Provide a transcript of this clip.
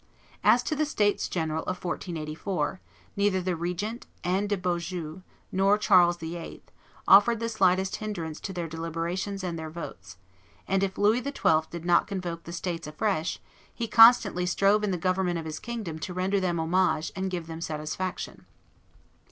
As to the States General of 1484, neither the regent, Anne de Beaujeu, nor Charles VIII., offered the slightest hinderance to their deliberations and their votes; and if Louis XII. did not convoke the States afresh, he constantly strove in the government of his kingdom to render them homage and give them satisfaction.